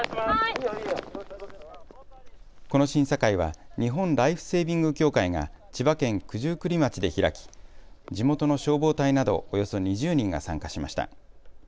この審査会は日本ライフセービング協会が千葉県九十九里町で開き、地元の消防隊などおよそ２０人が参加しました。